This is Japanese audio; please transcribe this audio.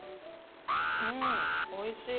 うんおいしい。